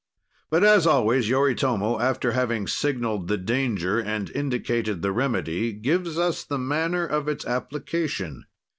But as always, Yoritomo, after having signaled the danger, and indicated the remedy, gives us the manner of its application.